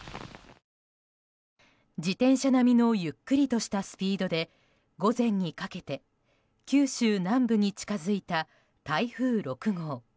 自転車並みのゆっくりとしたスピードで午前にかけて九州南部に近づいた台風６号。